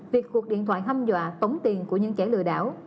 việc cuộc điện thoại hâm dọa tống tiền của những kẻ lừa đảo